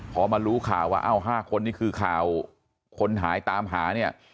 พอมารู้ข่าวว่า๕คนนี่คือข่าวคนหายตามหาเนี่ย